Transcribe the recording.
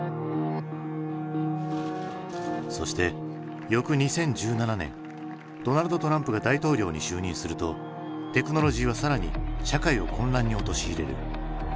そして翌２０１７年ドナルド・トランプが大統領に就任するとテクノロジーは更に社会を混乱に陥れる。